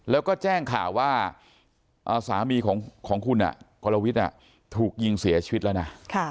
แล้วก็แจ้งข่าวว่าสามีของคุณกรวิทย์ถูกยิงเสียชีวิตแล้วนะ